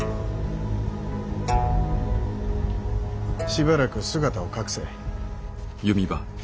しばらく姿を隠せ。